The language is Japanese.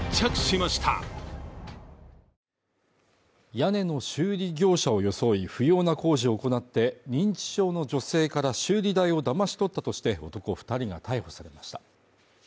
屋根の修理業者を装い不要な工事を行って認知症の女性から修理代をだまし取ったとして男二人が逮捕されました